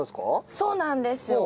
そうなんですよ。